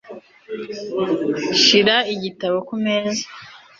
Shira igitabo ku meza